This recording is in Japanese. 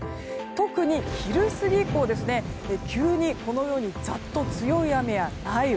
特に、昼過ぎ以降は急にざっと強い雨や雷雨。